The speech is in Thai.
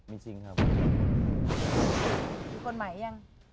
มีคนใหม่ยัง